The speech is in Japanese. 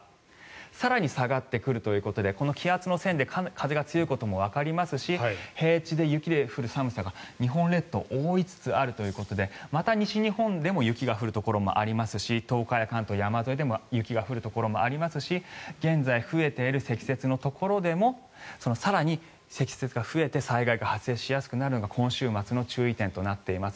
更に、下がってくるということでこの気圧の線で風が強いこともわかりますし平地で雪で降る寒さが日本列島を覆いつつあるということでまた西日本でも雪が降るところもありますし東海や関東、山沿いでも雪が降るところがありますし現在増えている積雪のところでも更に積雪が増えて災害が発生しやすくなるのが今週末の注意点となっています。